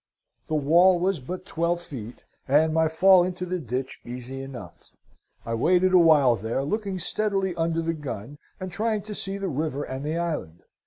"The wall was but twelve feet, and my fall into the ditch easy enough. I waited a while there, looking steadily under the gun, and trying to see the river and the island.